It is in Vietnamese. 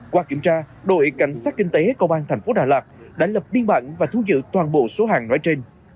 qua kiểm tra đội cảnh sát kinh tế công an thành phố đà lạt đã lập biên bản và thu giữ toàn bộ số hàng nói trên